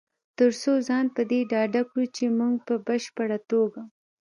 تر څو ځان په دې ډاډه کړو چې مونږ په بشپړ توګه